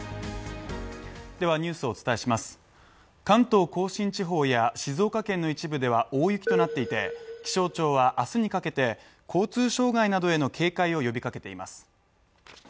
関東甲信地方や、静岡県の一部では大雪となっていて気象庁は、明日にかけて交通障害などへの警戒を呼びかけています。